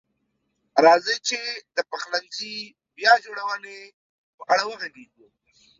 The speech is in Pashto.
راځئ چې د پخلنځي بیا جوړونې په اړه وغږیږو.